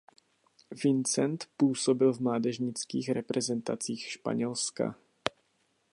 Vicente působil v mládežnických reprezentacích Španělska.